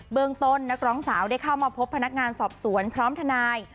เมืองต้นนักร้องสาวได้เข้ามาพบพนักงานสอบสวนพร้อมทนาย